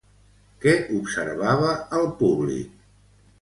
Què observava el públic?